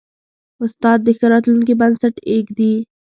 استاد د ښه راتلونکي بنسټ ایږدي.